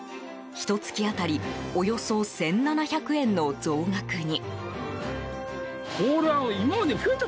ひと月当たりおよそ１７００円の増額に。